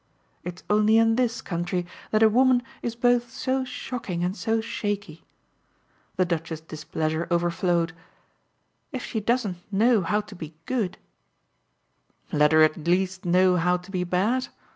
It's only in this country that a woman is both so shocking and so shaky." The Duchess's displeasure overflowed. "If she doesn't know how to be good " "Let her at least know how to be bad?